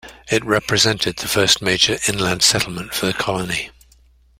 It represented the first major inland settlement for the colony.